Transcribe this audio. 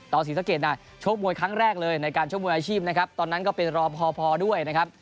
ศรีสะเกดน่ะชกมวยครั้งแรกเลยในการชกมวยอาชีพนะครับตอนนั้นก็เป็นรอพอพอด้วยนะครับ